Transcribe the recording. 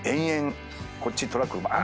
こっちトラックばーっ！